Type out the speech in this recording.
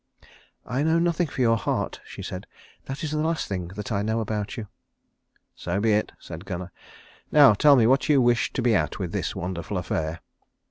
"I know nothing for your heart," she said. "That is the last thing that I know about you." "So be it," said Gunnar. "Now tell me what you wish to be at with this wonderful affair."